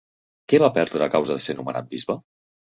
Què va perdre a causa de ser nomenat bisbe?